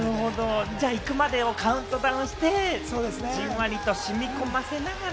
じゃあ行くまでをカウントダウンして、じんわりと染み込ませながら。